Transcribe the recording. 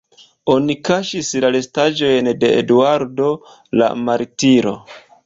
Oni kaŝis la restaĵojn de Eduardo la martiro.